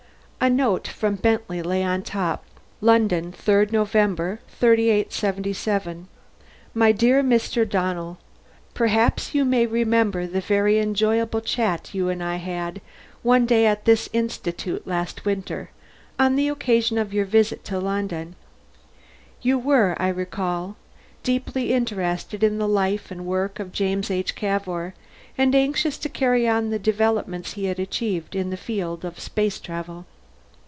A note from Bentley lay on top. London 3rd November 3877 My dear Mr. Donnell: _Perhaps you may remember the very enjoyable chat you and I had one day at this Institute last winter, on the occasion of your visit to London. You were, I recall, deeply interested in the life and work of James H. Cavour, and anxious to carry on the developments he had achieved in the field of space travel.